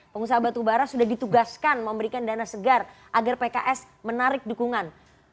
pengusaha batubara sudah ditugaskan memberikan dana segar agar pks menarik dukungan